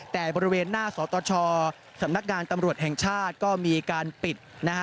แต่บริเวณหน้าสตชสำนักงานตำรวจแห่งชาติก็มีการปิดนะฮะ